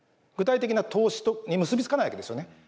具体的な投資に結び付かないわけですよね。